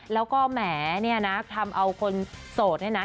แล้วก็แหมเนี่ยนะทำเอาคนโสดเนี่ยนะ